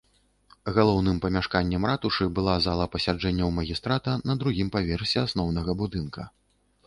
Галоўным памяшканнем ратушы была зала пасяджэнняў магістрата на другім паверсе асноўнага будынка.